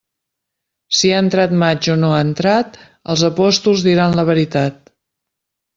Si ha entrat maig o no ha entrat, els apòstols diran la veritat.